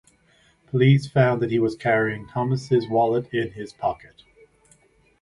Police found that he was carrying Thomas's wallet in his pocket.